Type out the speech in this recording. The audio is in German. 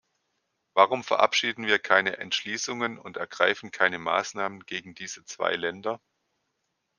Warum verabschieden wir keine Entschließungen und ergreifen keine Maßnahmen gegen diese zwei Länder?